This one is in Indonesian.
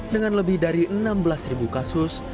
dengan lebih dari enam belas kasus